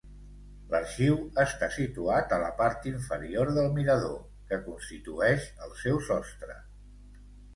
L'Arxiu està situat a la part inferior del mirador, que constitueix el seu sostre.